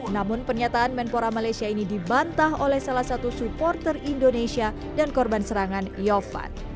namun pernyataan menpora malaysia ini dibantah oleh salah satu supporter indonesia dan korban serangan yofan